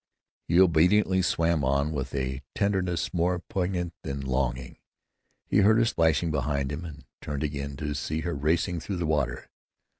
He obediently swam on, with a tenderness more poignant than longing. He heard her splashing behind him, and turned again, to see her racing through the water.